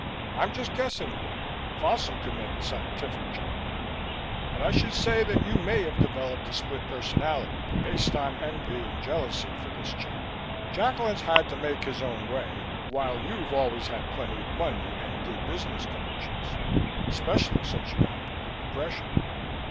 I'm just guessing now Folsom could make a scientific check but I should say that you may have developed a split personality, based on envy and jealousy for this chap. Jacklin's had to make his own way, while you've always had plenty of money and good business connections, especially since you got over the depression.